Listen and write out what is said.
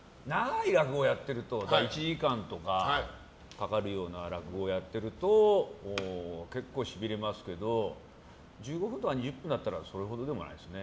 １時間とかかかるような落語をやってると結構しびれますけど１５分とか２０分だったらそれほどでもないですね。